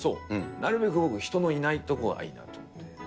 なるべく多く人がいない所がいいなと思って。